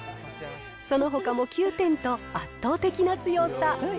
そのほかも９点と、圧倒的な強さ。